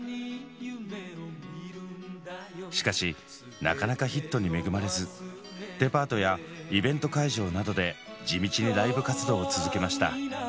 しかしなかなかヒットに恵まれずデパートやイベント会場などで地道にライブ活動を続けました。